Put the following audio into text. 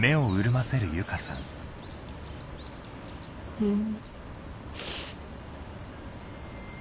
うん。